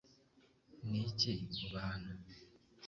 ni iki ubahana